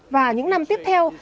và những năm tiếp theo